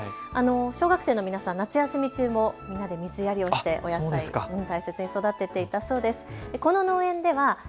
小学生の皆さん、夏休み中もみんなで水やりをしてお野菜、大切に育てていたそうです。